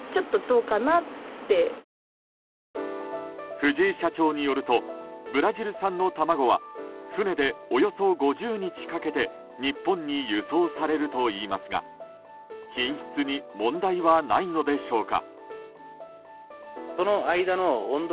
藤井社長によるとブラジル産の卵は船で、およそ５０日かけて日本に輸送されるといいますが品質に問題はないのでしょうか。